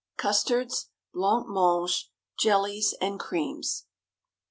CUSTARDS, BLANC MANGE, JELLIES, AND CREAMS.